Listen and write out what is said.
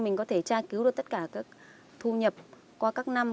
mình có thể tra cứu được tất cả các thu nhập qua các năm